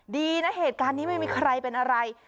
ดีนะเหตุการณ์นี้ไม่มีใครเป็นอะไร